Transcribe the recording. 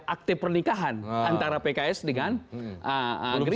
akte pernikahan antara pks dengan gerindra